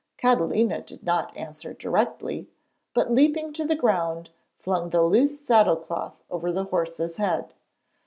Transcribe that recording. Catalina did not answer directly, but, leaping to the ground, flung the loose saddle cloth over the horse's head.